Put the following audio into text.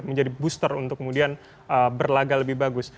menjadi booster untuk kemudian berlaga lebih bagus